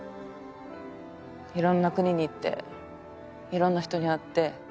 いろんな国に行っていろんな人に会って。